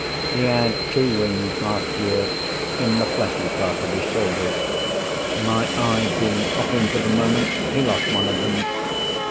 He had two wings last year, in the fleshy part of his shoulders. My eye being off him, for the moment, he lost one of them.